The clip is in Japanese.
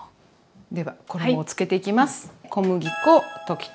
では衣をつけていきます。